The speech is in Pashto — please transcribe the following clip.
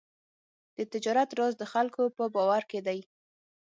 د تجارت راز د خلکو په باور کې دی.